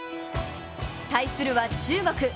対するは中国。